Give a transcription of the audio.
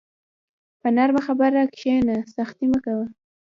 په نرمه خبره کښېنه، سختي مه کوه.